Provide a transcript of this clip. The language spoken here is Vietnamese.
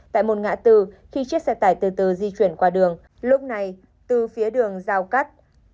tại một ngã từ khi chiếc xe tải từ từ di chuyển qua đường lúc này từ phía đường giao cắt